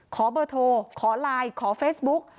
ขอเบอร์โทรขอไลน์ขอเฟซบุ๊ก